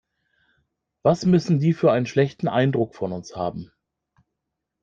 Was müssen die für einen schlechten Eindruck von uns haben.